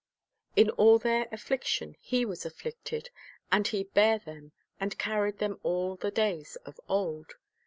"In all their affliction He was afflicted; ... and He bare them, and carried them all the days of old."